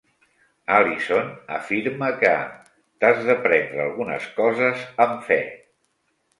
Allison afirma que "t'has de prendre algunes coses amb fe".